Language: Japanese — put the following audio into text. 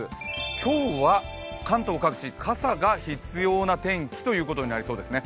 今日は関東各地、傘が必要な天気ということになりそうですね。